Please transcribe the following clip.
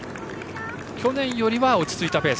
去年よりは落ち着いたペース